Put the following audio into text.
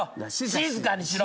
静かにしろ！